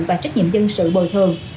và trách nhiệm dân sự bồi thường